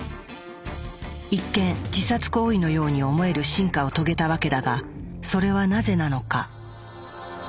一見自殺行為のように思える進化を遂げたわけだがそれはなぜなのか。